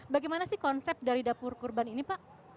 bagaimana sih konsep dari dapur kurban ini pak